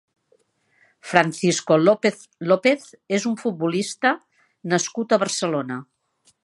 Francisco López López és un futbolista nascut a Barcelona.